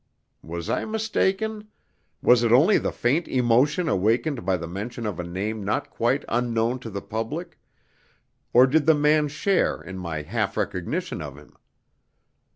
Was I mistaken was it only the faint emotion awakened by the mention of a name not quite unknown to the public or did the man share in my half recognition of him?